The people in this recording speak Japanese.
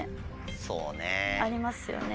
そうね。ありますよね。